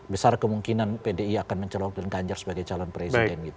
besar kemungkinan pdi akan mencelok dan ganjar sebagai calon presiden